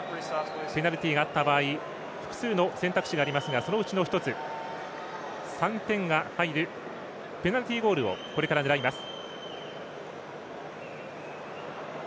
ペナルティがあった場合複数の選択肢がありますがそのうちの１つ、３点が入るペナルティゴールをこれから狙います。